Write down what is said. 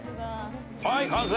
はい完成。